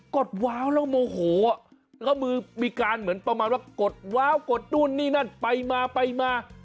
ดว้าวแล้วโมโหแล้วก็มือมีการเหมือนประมาณว่ากดว้าวกดนู่นนี่นั่นไปมาไปมา